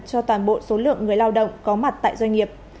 cho toàn bộ số lượng người lao động có mặt tại doanh nghiệp